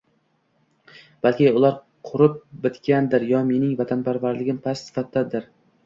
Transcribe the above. balki, ular qurib bitgandir yo mening vatanparvarligim “past sifatda”dir.